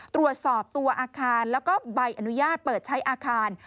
ตรวจสอบตัวอาคารแล้วก็ใบอนุญาตเปิดใช้อาคาร